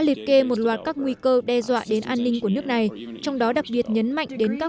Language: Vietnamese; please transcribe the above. liệt kê một loạt các nguy cơ đe dọa đến an ninh của nước này trong đó đặc biệt nhấn mạnh đến các